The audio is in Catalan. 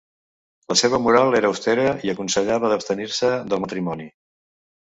La seva moral era austera i aconsellava d'abstenir-se del matrimoni.